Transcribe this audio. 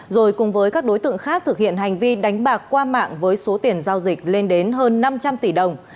rồi cùng với các đối tượng khác thực hiện hành vi đánh bạc qua mạng với số tiền giao dịch lên đến hơn năm trăm linh tỷ đồng